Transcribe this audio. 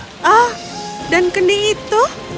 oh dan kendi itu